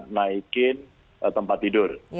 naikin tempat tidur